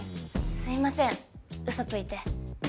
すいません嘘ついて。